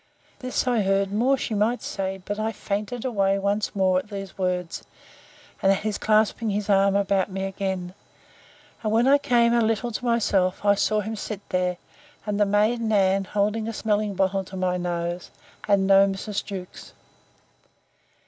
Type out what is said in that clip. This I heard; more she might say; but I fainted away once more, at these words, and at his clasping his arms about me again. And, when I came a little to myself, I saw him sit there, and the maid Nan, holding a smelling bottle to my nose, and no Mrs. Jewkes.